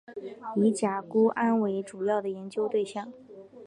以甲钴胺为主要的研究对象。